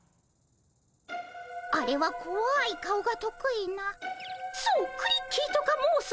あれはこわい顔が得意なそうクリッキーとか申す子鬼。